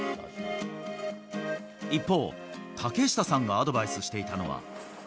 一方、竹下さんがアドバイスしていたのは。